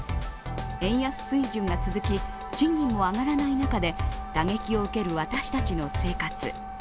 円安水準が続き、賃金も上がらない中で打撃を受ける私たちの生活。